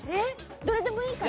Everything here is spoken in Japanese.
どれでもいいかな？